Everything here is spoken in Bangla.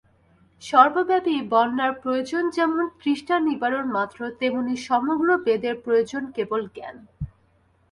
সর্বব্যাপী বন্যার প্রয়োজন যেমন তৃষ্ণানিবারণ মাত্র, তেমনি সমগ্র বেদের প্রয়োজন কেবল জ্ঞান।